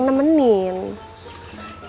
si kemes mentah